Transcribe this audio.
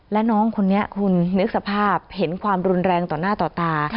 และน้องคนนี้คุณนึกสภาพเห็นความรุนแรงต่อหน้าต่อตา